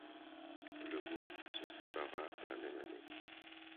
Le groupe se séparera la même année.